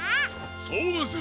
そうですよ！